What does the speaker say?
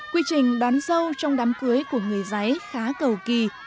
quy trình đón dâu trong đám cưới của người giấy khá cầu kỳ